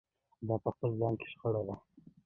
دا په خپل ځان کې شخړه ده.